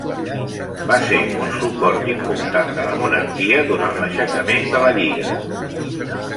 Va ser un suport important de la monarquia durant l'aixecament de la Lliga.